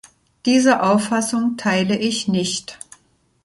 Diese Auffassung teile ich nicht.